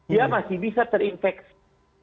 dia masih bisa terinfeksi